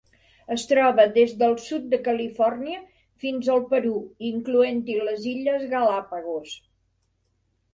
Es troba des del sud de Califòrnia fins al Perú, incloent-hi les Illes Galápagos.